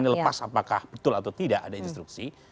ini lepas apakah betul atau tidak ada instruksi